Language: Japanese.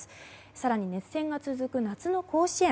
更に熱戦が続く夏の甲子園。